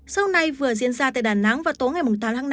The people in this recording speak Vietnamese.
sau này vừa diễn ra tại đà nẵng vào tối ngày tám tháng năm